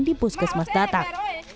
di puskesmas datang